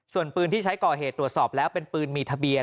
ส่วนปืนที่ใช้ก่อเหตุตรวจสอบแล้วเป็นปืนมีทะเบียน